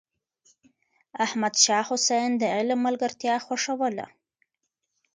احمد شاه حسين د علم ملګرتيا خوښوله.